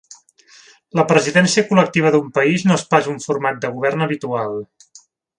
La presidència col·lectiva d’un país no és pas un format de govern habitual.